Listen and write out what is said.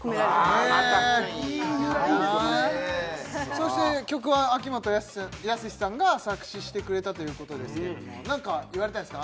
そして曲は秋元康さんが作詞してくれたということですけども何か言われたんですか？